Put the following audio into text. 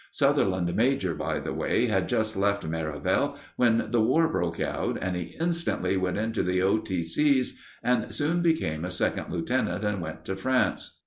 Sutherland major, by the way, had just left Merivale when the War broke out, and he instantly went into the O.T.C.'s and soon became a second lieutenant and went to France.